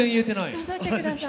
頑張ってください。